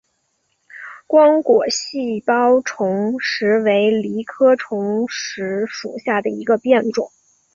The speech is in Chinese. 光果细苞虫实为藜科虫实属下的一个变种。